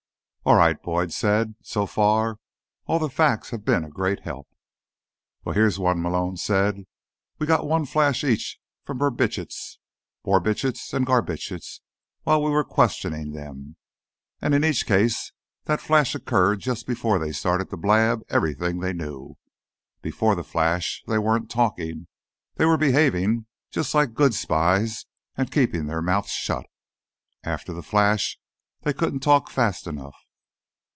"All right," Boyd said. "So far, all the facts have been a great help." "Well, here's one," Malone said. "We got one flash each from Brubitsch, Borbitsch and Garbitsch while we were questioning them. And in each case, that flash occurred just before they started to blab everything they knew. Before the flash, they weren't talking. They were behaving just like good spies and keeping their mouths shut. After the flash, they couldn't talk fast enough."